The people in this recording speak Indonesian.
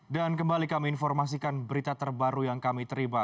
dan kembali kami informasikan berita terbaru yang kami terima